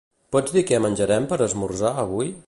Pots dir què menjarem per esmorzar avui?